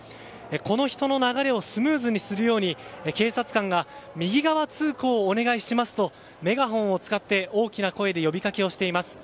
この人の流れをスムーズにするように警察官が右側通行をお願いしますとメガホンを使って大きな声で呼びかけをしています。